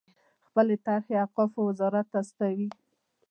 خپلې طرحې اوقافو وزارت ته استوي.